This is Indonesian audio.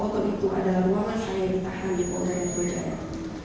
otot itu adalah ruangan saya yang ditahan di penggunaan perjalanan